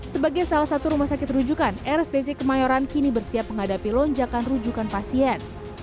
sebagai salah satu rumah sakit rujukan rsdc kemayoran kini bersiap menghadapi lonjakan rujukan pasien